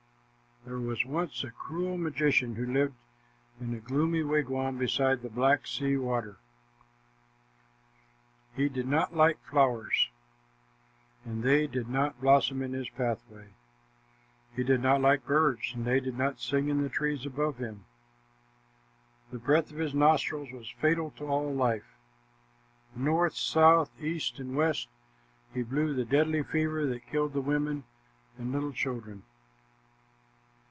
There was once a cruel magician who lived in a gloomy wigwam beside the Black Sea Water. He did not like flowers, and they did not blossom in his pathway. He did not like birds, and they did not sing in the trees above him. The breath of his nostrils was fatal to all life. North, south, east, and west he blew the deadly fever that killed the women and the little children.